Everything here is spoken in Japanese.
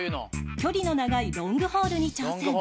距離の長いロングホールに挑戦。